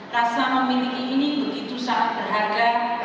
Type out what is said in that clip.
rasa memiliki ini begitu sangat berharga